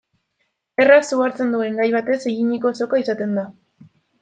Erraz su hartzen duen gai batez eginiko soka izaten da.